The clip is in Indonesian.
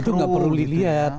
itu nggak perlu dilihat